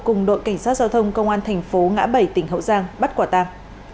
cùng đội cảnh sát giao thông công an thành phố ngã bảy tỉnh hậu giang bắt quả tàng